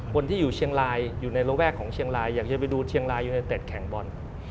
คนที่อยู่เชียงรายอยู่ในระแวกของเชียงรายอยากจะไปดูเชียงรายยูเนเต็ดแข่งบอล